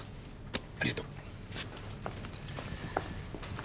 ありがとう。